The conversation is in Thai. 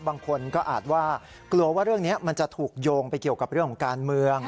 บางคนก็อาจว่ากลัวว่าเรื่องนี้มันจะถูกโยงไปเกี่ยวกับเรื่องของการเมือง